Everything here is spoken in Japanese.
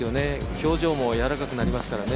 表情も柔らかくなりますからね。